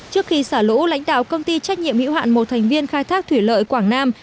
trước khi xả lũ lãnh đạo công ty trách nhiệm hữu hạn một thành viên khai thác thủy lợi quảng nam